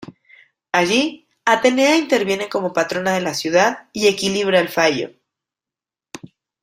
Allí, Atenea interviene como patrona de la ciudad y equilibra el fallo.